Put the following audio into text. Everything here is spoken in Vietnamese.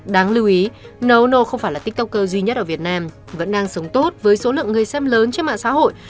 đáng lưu ý nô ô nô không phải là tiktoker duy nhất ở việt nam vẫn đang sống tốt với số lượng người xem lớn trên mạng xã hội